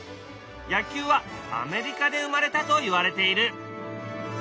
野球はアメリカで生まれたといわれている。